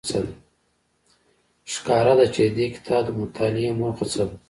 ښکاره ده چې د دې کتاب د مطالعې موخه څه ده.